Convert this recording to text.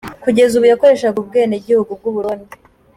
Kugeza ubu yakoreshaga ubwenwgihugu bw’u Burundi.